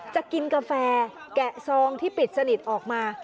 จะกินกาแฟแกะซองที่ปิดสนิทออกมา